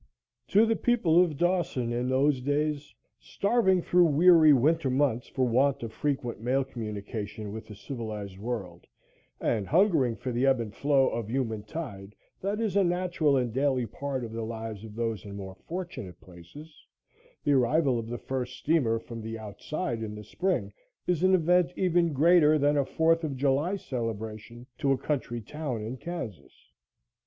TO THE people of Dawson, in those days, starving through weary winter months for want of frequent mail communication with the civilized world, and hungering for the ebb and flow of human tide that is a natural and daily part of the lives of those in more fortunate places, the arrival of the first steamer from "the outside" in the spring is an event even greater than a Fourth of July celebration to a country town in Kansas.